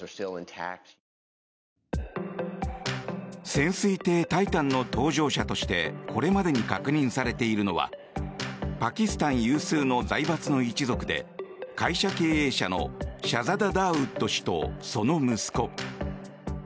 潜水艇「タイタン」の搭乗者としてこれまでに確認されているのはパキスタン有数の財閥の一族で会社経営者のシャザダ・ダーウッド氏とその息子。